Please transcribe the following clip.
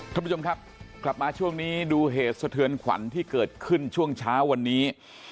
ท่านผู้ชมครับกลับมาช่วงนี้ดูเหตุสะเทือนขวัญที่เกิดขึ้นช่วงเช้าวันนี้